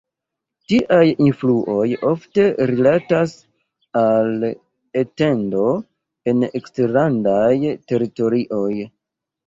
Tiaj influoj ofte rilatas al etendo en eksterlandaj teritorioj.